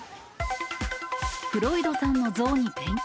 フロイドさんの像にペンキ。